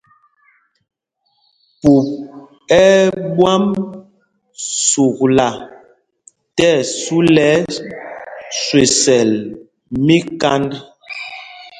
Pɔp ɛ́ ɛ́ ɓwam sukla tí ɛsu lɛ ɛsüesɛl míkand.